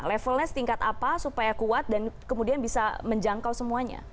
levelnya setingkat apa supaya kuat dan kemudian bisa menjangkau semuanya